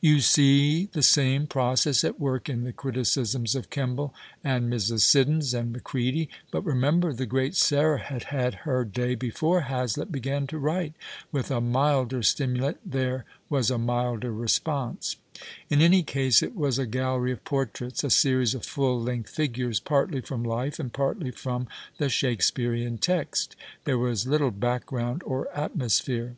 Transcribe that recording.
You see the same i)roccss at work in llie criticisms of Keml)le and Mrs. Siddons and Macrcady, but (remember llu grcal Sarah had iiad PASTICHE AND PREJUDICE her day before Hazlitt began to write) with a milder stiniuhmt there was a milder response. In any case it was a gallery of portraits — a series of full length figures partly from life and partly from the Shake spearean text. There was little background or atmosphere.